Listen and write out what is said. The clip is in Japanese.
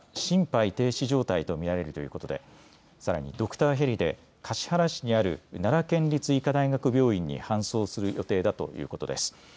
消防によりますと安倍元総理大臣は心肺停止状態と見られるということでさらにドクターヘリで橿原市にある奈良県立医科大学病院に搬送する予定だということです。